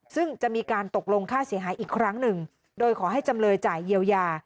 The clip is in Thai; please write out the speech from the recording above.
ซึ่งจะมีการตกลงค่าเสียหายอีกครั้งหนึ่งโดยขอให้จำเลยจ่ายเยียวยา